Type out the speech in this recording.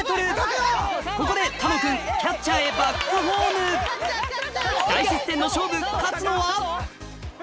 ここで楽君キャッチャーへバックホーム大接戦の勝負勝つのは？